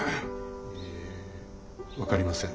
ええ分かりません。